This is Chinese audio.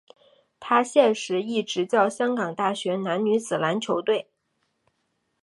他现时亦执教香港大学男女子篮球队。